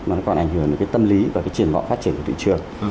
mà nó còn ảnh hưởng đến cái tâm lý và cái triển vọng phát triển của thị trường